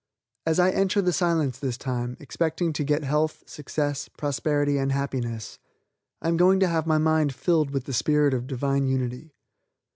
As I enter the Silence this time, expecting to get health, success, prosperity and happiness, I am going to have my mind filled with the Spirit of Divine Unity.